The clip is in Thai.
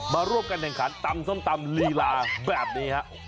มาร่วมกันแข่งขันตำส้มตำลีลาแบบนี้ฮะ